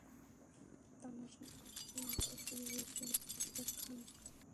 তামাশা তো সবেমাত্র শুরু হয়েছে, ইন্সপেক্টর খান।